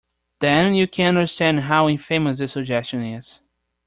Then you can understand how infamous the suggestion is.